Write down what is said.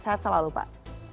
saat selalu pak